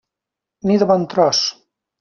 Ni de bon tros.